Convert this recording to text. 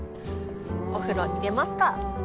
お風呂入れますか！